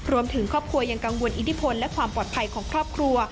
รวมถึงครอบครัวยังกังวลอิทธิพลและความปลอดภัยของครอบครัว